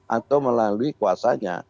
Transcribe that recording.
atau melalui kuasanya